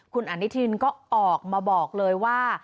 คุณอนุทินก็ออกมาบอกเลยว่า